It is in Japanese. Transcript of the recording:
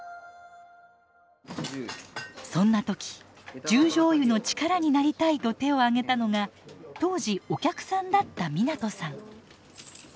そんな時「十條湯の力になりたい」と手を挙げたのが当時お客さんだった湊さん。